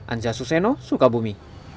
anja suseno sukabumi